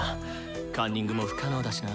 カンニングも不可能だしな。